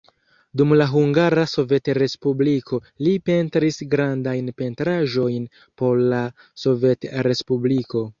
Dum la Hungara Sovetrespubliko li pentris grandajn pentraĵojn por la Sovetrespubliko.